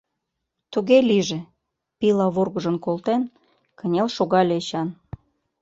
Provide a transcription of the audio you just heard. — Туге лийже! — пила вургыжым колтен, кынел шогале Эчан.